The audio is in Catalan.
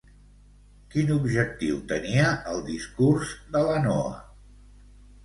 Quin objectiu tenia el discurs de la Noa?